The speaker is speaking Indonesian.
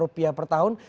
rupiah per tahun